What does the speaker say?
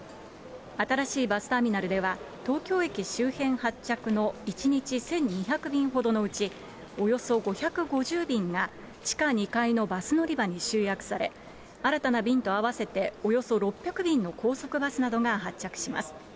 新しいバスターミナルでは、東京駅周辺発着の１日１２００便ほどのうち、およそ５５０便が、地下２階のバス乗り場に集約され、新たな便と合わせて、およそ６００便の高速バスなどが発着します。